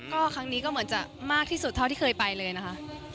ก็ครั้งนี้ก็เหมือนจะมากที่สุดเท่าที่เคยไปเลยนะคะ